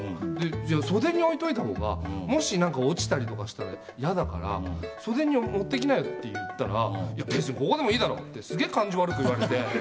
じゃあ、袖に置いたほうがもし落ちたりとかしたら嫌だから袖に持っていきなよって言ったら別にここでもいいだろってすげえ感じ悪く言われて。